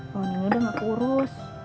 poni ini udah gak kurus